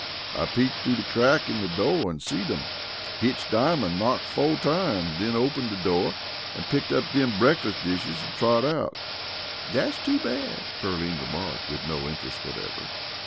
"I peeped through de crack in de door an' seed 'em. Hitch Diamond knocked fo' times, den opened de door an' picked up dem breakfast dishes an' trod out." "Dat's too bad," Pearline remarked with no interest whatever.